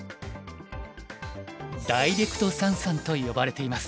ダイレクト三々と呼ばれています。